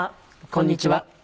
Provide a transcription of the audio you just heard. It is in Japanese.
こんにちは。